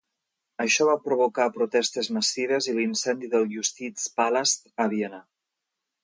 Això va provocar protestes massives i l'incendi del "Justizpalast" a Viena.